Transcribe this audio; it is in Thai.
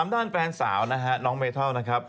วะหน้านอนแฟนสาวนะฮะน้องเมถานะครับ